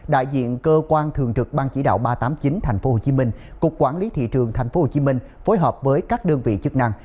đại diện cơ quan thường trực ban chỉ đạo ba trăm tám mươi chín tp hcm cục quản lý thị trường tp hcm phối hợp với các đơn vị chức năng